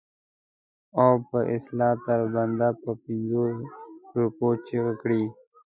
او په اصطلاح تر بنده په پنځو روپو چیغه کړي.